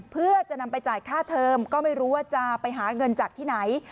เพื่อจะนำไปจ่ายค่าเทอมก็ไม่รู้ว่าจะไปหาเงินจากที่ไหน